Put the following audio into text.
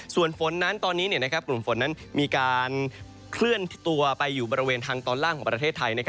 ส่วนฝนนั้นตอนนี้กลุ่มฝนนั้นมีการเคลื่อนตัวไปอยู่บริเวณทางตอนล่างของประเทศไทย